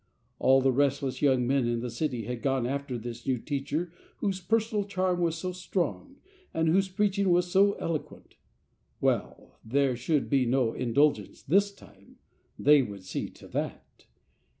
All the restless young men in the city had gone after this new teacher whose personal charm was so strong, and whose preaching was so elo quent. Well, there should be no indulgence this time— they would see to that.